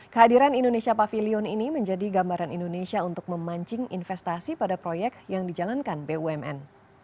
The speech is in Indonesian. kehadiran indonesia pavilion ini menjadi gambaran indonesia untuk memancing investasi pada proyek yang dijalankan bumn